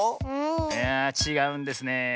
いやあちがうんですねえ。